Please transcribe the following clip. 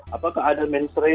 apakah ada mensreya